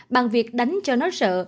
bằng việc đánh cho nó sợ